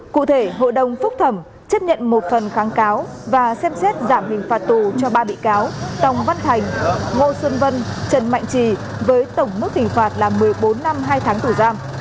cụ thể hội đồng phúc thẩm chấp nhận một phần kháng cáo và xem xét giảm hình phạt tù cho ba bị cáo tòng văn thành ngô xuân vân trần mạnh trì với tổng mức hình phạt là một mươi bốn năm hai tháng tù giam